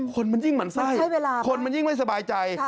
คนมันยิ่งหมั่นไส้คนมันยิ่งไม่สบายใจ